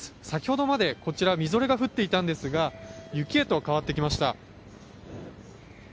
先ほどまで、こちらみぞれが降っていたんですが雪へと変わってきました。